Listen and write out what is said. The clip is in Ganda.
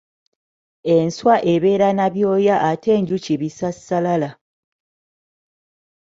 Enswa ebeera na byoya ate enjuki bisassalala.